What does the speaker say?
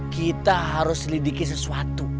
kita harus selidiki sesuatu